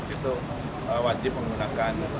itu wajib menggunakan